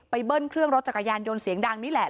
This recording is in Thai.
เบิ้ลเครื่องรถจักรยานยนต์เสียงดังนี่แหละ